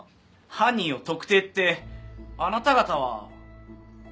犯人を特定ってあなた方は？